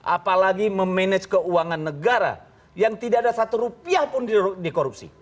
apalagi memanage keuangan negara yang tidak ada satu rupiah pun di korupsi